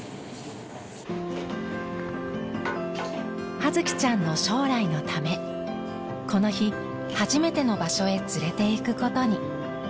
葉月ちゃんの将来のためこの日初めての場所へ連れていくことに。